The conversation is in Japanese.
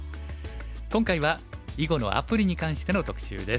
今回は囲碁のアプリに関しての特集です。